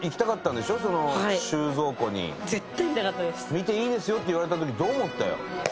「見ていいですよ」って言われた時、どう思ったよ？